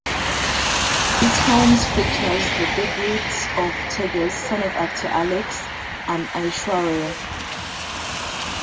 This films features the debut of Tejas (son of actor Alex) and Aishwarya.